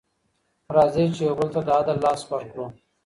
راځئ چي یو بل ته د عدل لاس ورکړو.